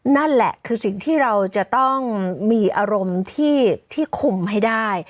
นั่นแหละคือสิ่งที่เราจะต้องมีอารมณ์ที่คุมให้ได้